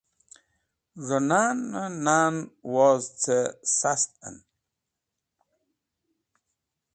Z̃hũ nan-e nan woz cẽ Sast en.